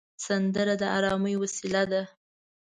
سندره د ارامۍ وسیله ده